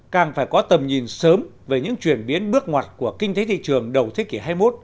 càng phải có tầm nhìn sớm về những chuyển biến bước ngoặt của kinh tế thị trường đầu thế kỷ hai mươi một